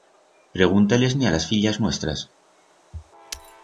Pregunta-les-ne a las fillas nuestras.